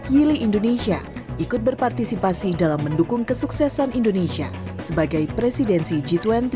yili indonesia ikut berpartisipasi dalam mendukung kesuksesan indonesia sebagai presidensi g dua puluh